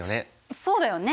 そうだよね。